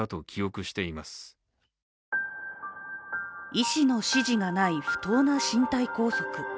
医師の指示がない不当な身体拘束。